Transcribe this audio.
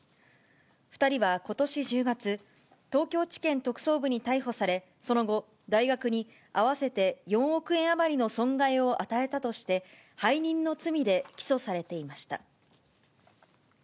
２人はことし１０月、東京地検特捜部に逮捕され、その後、大学に合わせて４億円余りの損害を与えたとして、背任の罪で起訴されていました。